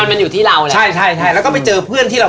มันเป็นอยู่ที่เรานะใช่แล้วก็ไปเจอเพื่อนที่เรา